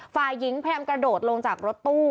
ฝ่ายหญิงพยายามกระโดดลงจากรถตู้